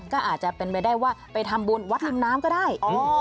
ก็อาจจะเป็นไปได้ว่าไปทำบุญวัดริมน้ำก็ได้